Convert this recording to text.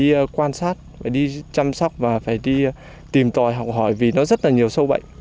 đi quan sát phải đi chăm sóc và phải đi tìm tòi học hỏi vì nó rất là nhiều sâu bệnh